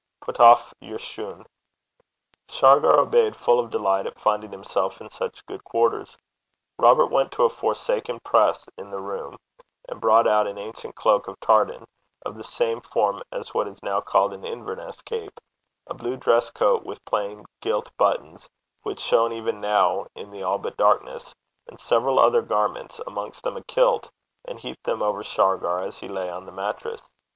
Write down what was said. Pit aff yer shune.' Shargar obeyed, full of delight at finding himself in such good quarters. Robert went to a forsaken press in the room, and brought out an ancient cloak of tartan, of the same form as what is now called an Inverness cape, a blue dress coat, with plain gilt buttons, which shone even now in the all but darkness, and several other garments, amongst them a kilt, and heaped them over Shargar as he lay on the mattress.